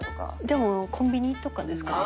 でもコンビニとかですかね。